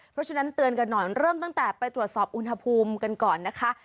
เพราะฉะนั้นเตือนกันหน่อยเริ่มตั้งแต่ไปตรวจสอบอุณหภูมิกันก่อนนะคะ